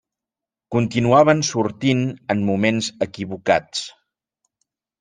Continuaven sortint en moments equivocats.